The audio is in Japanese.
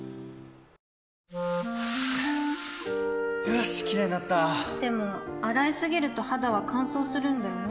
よしキレイになったでも、洗いすぎると肌は乾燥するんだよね